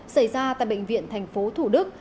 xảy ra tại bệnh viện tp thủ đức